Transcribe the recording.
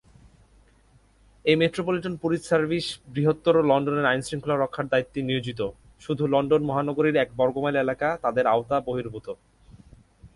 এই metropolitan police service বৃহত্তর লন্ডনের আইনশৃঙ্খলা রক্ষার দায়িত্বে নিয়োজিত, শুধু লন্ডন মহানগরীর এক বর্গমাইল এলাকা তাদের আওতা-বহির্ভূত।